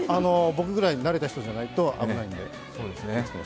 僕ぐらい慣れた人じゃないと、危ないので。